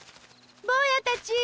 ぼうやたち！